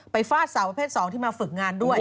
ฟาดสาวประเภท๒ที่มาฝึกงานด้วย